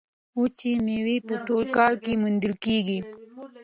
وچې میوې په ټول کال کې موندل کیږي.